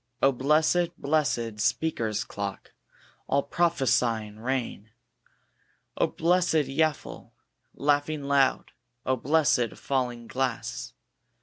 O blessed, blessed Speaker's clock, All prophesying rain! O blessed yaffil, laughing loud! O blessed falling glass!